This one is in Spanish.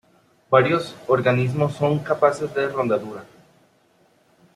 Varios organismos son capaces de rodadura.